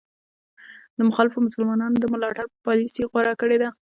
د مخالفو مسلمانانو د ملاتړ پالیسي غوره کړې ده.